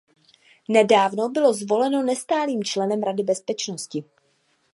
Nedávno bylo zvoleno nestálým členem Rady bezpečnosti.